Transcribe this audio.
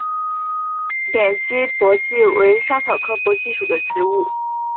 扁基荸荠为莎草科荸荠属的植物。